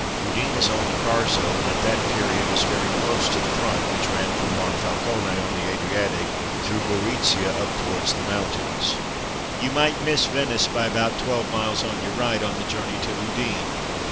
Udine is on the Carso, and at that period was very close to the front, which ran from Montfalcone on the Adriatic, through Goritzia up towards the mountains. You miss Venice by about twelve miles on your right, on the journey to Udine.